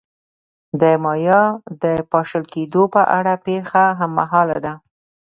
د مایا د پاشل کېدو په اړه پېښه هممهاله ده.